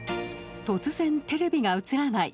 突然、テレビが映らない。